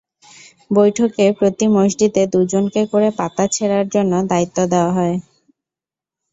বৈঠকে প্রতি মসজিদে দুজনকে করে পাতা ছেঁড়ার জন্য দায়িত্ব দেওয়া হয়।